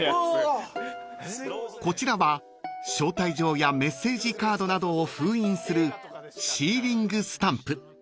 ［こちらは招待状やメッセージカードなどを封印するシーリングスタンプ］